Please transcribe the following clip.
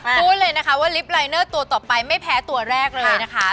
พูดเลยนะคะว่าลิฟต์ลายเนอร์ตัวต่อไปไม่แพ้ตัวแรกเลยนะคะ